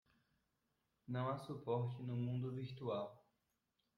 Não há suporte no mundo virtual.